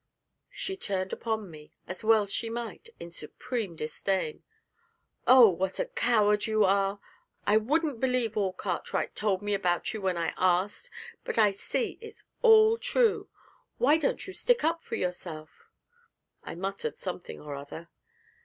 She turned upon me, as well she might, in supreme disdain. 'Oh! what a coward you are! I wouldn't believe all Cartwright told me about you when I asked but I see it's all true. Why don't you stick up for yourself?' I muttered something or other.